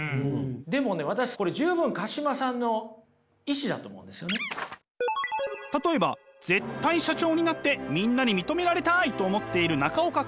でもね私これ例えば絶対社長になってみんなに認められたいと思っている中岡君。